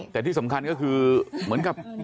แต่ที่สำคัญก็คือเหมือนกับ